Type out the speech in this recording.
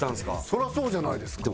そりゃそうじゃないですか。